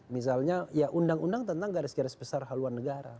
misalnya ya undang undang tentang garis garis besar haluan negara